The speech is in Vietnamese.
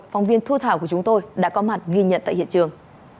phóng viên thu thảo của chúng tôi đã có mặt ghi nhận tại hiện trường